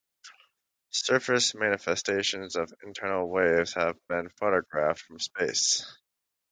Surface manifestations of internal waves have been photographed from space.